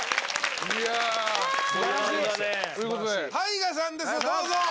いやということでＴＡＩＧＡさんですどうぞ！